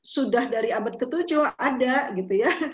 sudah dari abad ke tujuh ada gitu ya